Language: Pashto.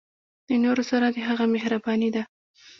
د نورو سره د هغه مهرباني ده.